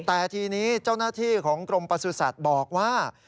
แต่ทีนี้เจ้าหน้าที่ของกรมประสุทธิ์บอกว่า